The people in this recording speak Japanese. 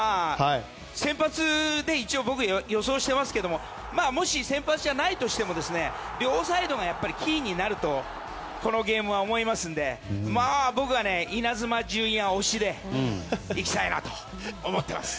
先発で一応僕予想してますけどももし、先発じゃないとしても両サイドがやっぱりキーになるとこのゲームは思いますので僕はイナズマ純也推しで行きたいなと思っています。